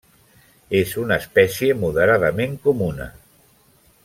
És una espècie moderadament comuna.